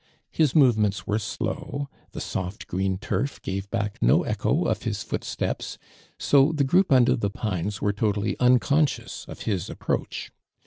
His movements were slow, the soft green turf gave back no echo of his footsteps, so the group under the pines were totally unconscious of his approach.